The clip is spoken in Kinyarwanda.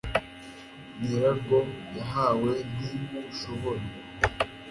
nyirarwo yahawe nti rushobora